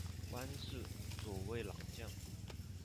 官至左卫郎将。